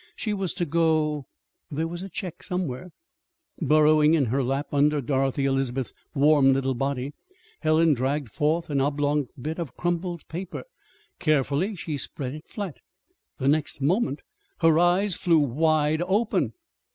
She was to go There was a check somewhere Burrowing in her lap under Dorothy Elizabeth's warm little body, Helen dragged forth an oblong bit of crumpled paper. Carefully she spread it flat. The next moment her eyes flew wide open.